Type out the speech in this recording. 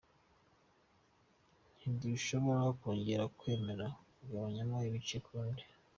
Ntidushobora kongera kwemera kugabanywamo ibice ukundi.